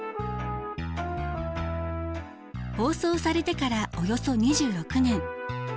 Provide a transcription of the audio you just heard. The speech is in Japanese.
放送されてからおよそ２６年。